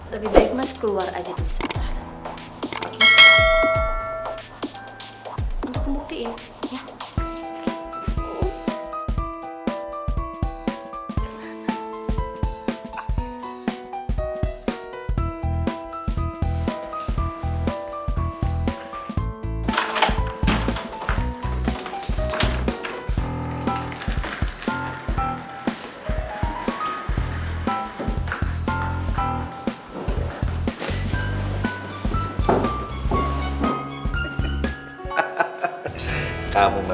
lebih baik mas keluar aja dulu